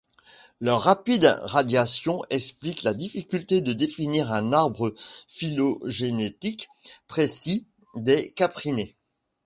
Leur rapide radiation explique la difficulté de définir un arbre phylogénétique précis des caprinés.